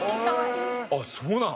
あっそうなの？